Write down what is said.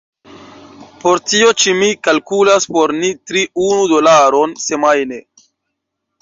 Por tio ĉi mi kalkulas por ni tri unu dolaron semajne.